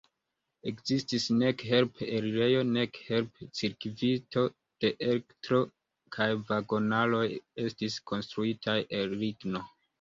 Ekzistis nek help-elirejo, nek help-cirkvito de elektro kaj vagonaroj estis konstruitaj el ligno.